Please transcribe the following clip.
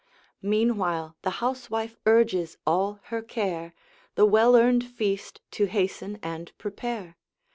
Meanwhile the housewife urges all her care, The well earned feast to hasten and prepare.